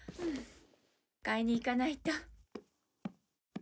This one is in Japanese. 買いに行かないと。